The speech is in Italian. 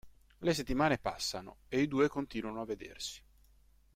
Le settimane passano, e i due continuano a vedersi.